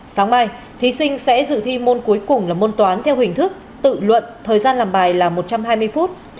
sáng mai thí sinh sẽ dự thi môn cuối cùng là môn toán theo hình thức tự luận thời gian làm bài là một trăm hai mươi phút